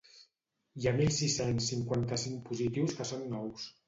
Hi ha mil sis-cents cinquanta-cinc positius que són nous.